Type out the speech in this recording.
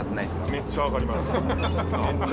めっちゃわかります。